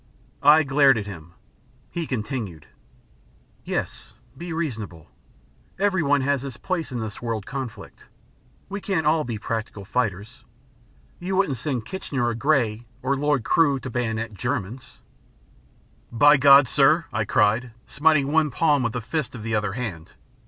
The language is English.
I glared at him. He continued: "Yes, be reasonable. Everyone has his place in this World conflict. We can't all be practical fighters. You wouldn't set Kitchener or Grey or Lord Crewe to bayonet Germans " "By God, sir," I cried, smiting one palm with the fist of the other hand.